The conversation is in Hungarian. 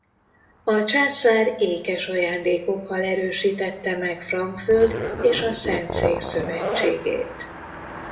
A császár ékes ajándékokkal erősítette meg Frankföld és a Szentszék szövetségét.